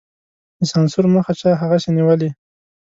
د سانسور مخه چا هغسې نېولې.